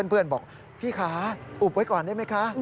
บอกพี่คะอุบไว้ก่อนได้ไหมคะ